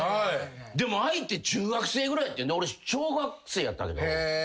でも相手中学生ぐらいやってんで俺小学生やったけど。